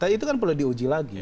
nah itu kan perlu diuji lagi